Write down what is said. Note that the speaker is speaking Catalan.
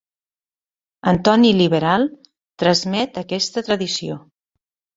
Antoní Liberal transmet aquesta tradició.